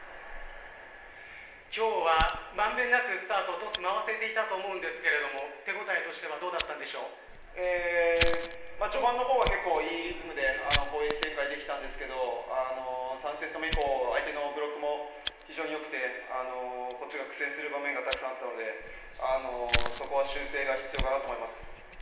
今日は満遍なくスタート、トス回せていたと思うんですけど手応えとしては序盤の方は、いいリズムで攻撃展開できたんですけど３セット目以降相手のブロックも非常に良くてこっちが苦戦する場面がたくさんあったのでそこは修正が必要かなと思います。